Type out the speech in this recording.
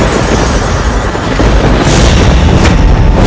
perkara ensi oro